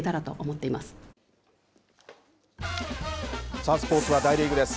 さあスポーツは大リーグです。